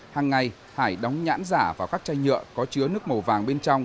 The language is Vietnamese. hàng ngày hải đóng nhãn giả vào các chai nhựa có chứa nước màu vàng bên trong